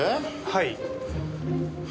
はい。